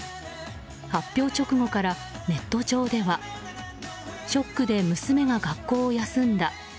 発表直後からネット上ではショックで娘が学校を休んだ。